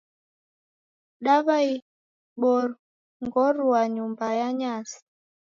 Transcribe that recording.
Dawaibongorua nyumba ya nyasi.